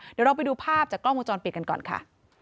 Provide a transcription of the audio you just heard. เดี๋ยวเราไปดูภาพจากกล้องวงจรปิดกันก่อนค่ะ